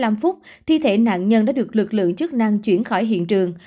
đến một mươi một giờ bốn mươi năm phút thi thể nạn nhân đã được lực lượng chức năng chuyển khỏi hiện trường